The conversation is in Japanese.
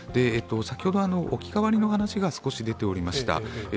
先ほど置き換わりの話しが少し出ておりました。